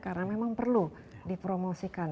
karena memang perlu dipromosikan